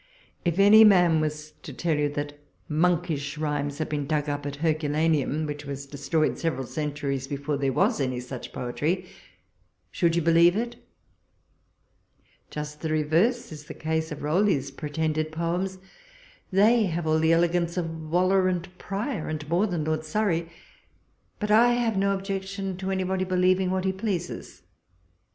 If any man was to tell you that monkish rhymes had been dug up WALPOLES LETTERS. 16;J at Heiculaneuiu, which was destroj'ed several centuries before there was any such poetry, should you believe it ? Just the reverse is the case of Rowley's pretended poems. They have all the elegance of Waller and Prior, and more than Lord Surrey — but I have no objection to anybody believing what he pleases.